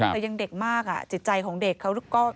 แต่ยังเด็กมากจิตใจของเด็กเขาก็